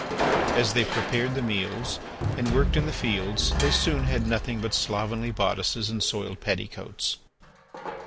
As they prepared the meals and worked in the fields they soon had nothing but slovenly bodices and soiled petticoats.